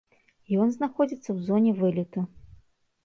Ён знаходзіцца ў зоне вылету.